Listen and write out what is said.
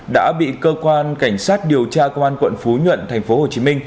đã bị cơ quan cảnh sát điều tra công an quận phú nhuận tp hcm